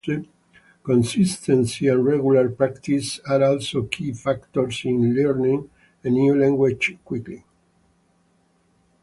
Consistency and regular practice are also key factors in learning a new language quickly.